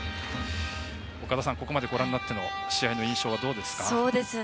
岡田さん、ここまでご覧になって試合の印象はどうですか？